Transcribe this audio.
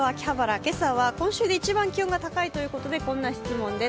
今朝は今週で一番暖かいということでこんな質問です。